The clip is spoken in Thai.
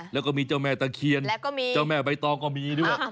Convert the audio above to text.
แล้วก็มีเจ้าแม่ตะเคียนแล้วก็มีเจ้าแม่ใบตองก็มีด้วย